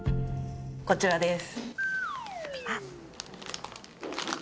こちらです